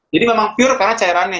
jadi memang pure karena cairannya